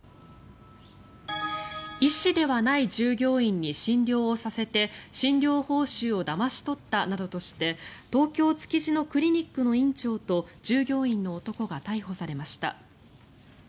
医師ではない従業員に診療をさせて診療報酬をだまし取ったなどとして東京・築地のクリニックの院長と従業員の男が逮捕されました。